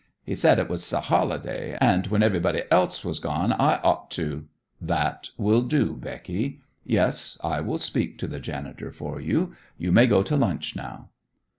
He said it was a holiday, and when everybody else was gone I ought to " "That will do, Becky. Yes, I will speak to the janitor for you. You may go to lunch now."